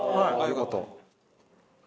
よかった。